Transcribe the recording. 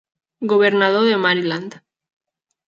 Governador de Maryland.